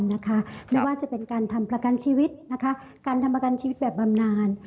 ไม่ว่าจะเป็นการทำประกันชีวิตนะคะการทำประกันชีวิตแบบบำนาน